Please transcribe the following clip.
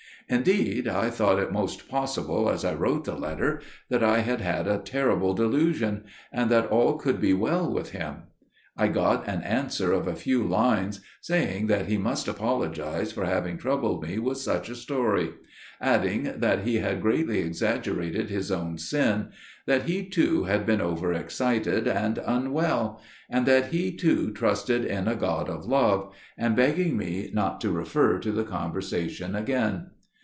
"Indeed I thought it most possible, as I wrote the letter, that I had had a horrible delusion; and that all could be well with him. I got an answer of a few lines, saying that he must apologise for having troubled me with such a story; adding that he had greatly exaggerated his own sin; that he too had been over excited and unwell: and that he too trusted in a God of Love––and begging me not to refer to the conversation again."